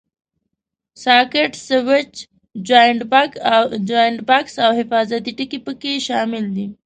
ساکټ، سویچ، جاینټ بکس او حفاظتي ټکي پکې شامل دي.